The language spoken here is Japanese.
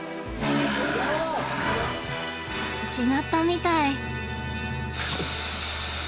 違ったみたい。